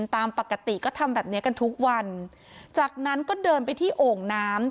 ตามปกติก็ทำแบบเนี้ยกันทุกวันจากนั้นก็เดินไปที่โอ่งน้ำ